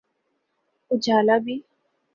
اجالا بھی۔